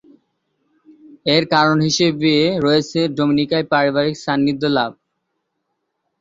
এর কারণ হিসেবে রয়েছে ডোমিনিকায় পারিবারিক সান্নিধ্য লাভ।